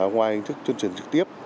ngoài hình thức tuyên truyền trực tiếp